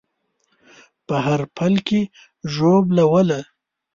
په هر پل کې ژوبلوله